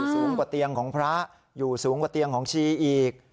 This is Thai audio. สูงกว่าเตียงของพระอยู่สูงกว่าเตียงของชีอีก